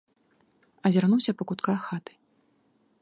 Азірнуўся па кутках хаты.